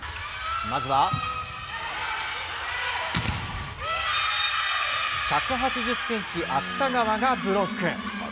まずは１８０ｃｍ、芥川がブロック。